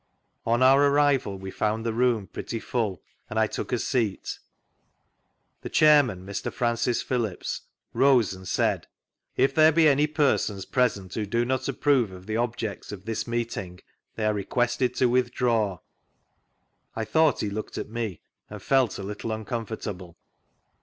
On our arrival we found the room pretty full and I took a seat. The Chairman, Mr. Francis Phillips, rose and said: "If there be any persons present who do not approve of the objects of this meeting they are requested to withdraw." I thought he looked at me, and felt a little uncomfortable.